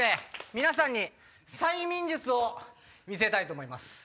皆さんに催眠術を見せたいと思います。